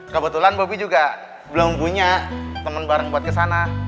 kebetulan bobi juga belum punya teman bareng buat kesana